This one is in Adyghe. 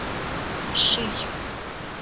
Шъий.